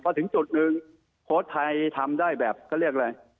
พอถึงจุดหนึ่งโค้ชไทยทำได้แบบเขาเรียกอะไร